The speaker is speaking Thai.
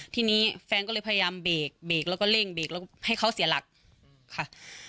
ทีนี้แฟนก็เลยพยายามเบรกเบรกแล้วก็เร่งเบรกแล้วให้เขาเสียหลักค่ะ